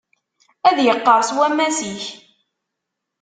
Ad iqqerṣ wammas-ik.